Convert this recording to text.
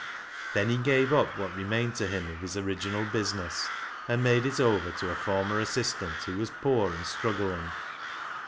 Then he gave up what remained to him of his original business, and made it over to a former assistant who was poor and struggling.